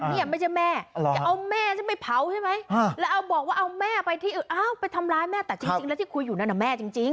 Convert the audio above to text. เนี่ยไม่ใช่แม่จะเอาแม่ฉันไปเผาใช่ไหมแล้วเอาบอกว่าเอาแม่ไปที่อื่นอ้าวไปทำร้ายแม่แต่จริงแล้วที่คุยอยู่นั่นน่ะแม่จริง